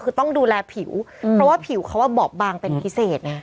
คือต้องดูแลผิวเพราะว่าผิวเขาบอบบางเป็นพิเศษไง